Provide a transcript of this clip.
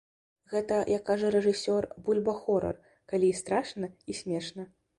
Гэта, як кажа рэжысёр, бульба-хорар, калі і страшна, і смешна.